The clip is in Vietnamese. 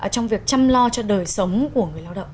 trong việc chăm lo cho đời sống của người lao động